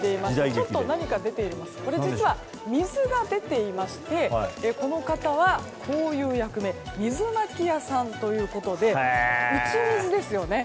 ちょっと何か出ていますが実はこれ、水が出ていましてこの方はこういう役目水まき屋さんということで打ち水ですよね。